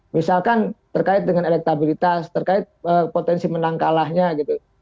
misalkan terkait dengan elektabilitas terkait potensi menang kalahnya gitu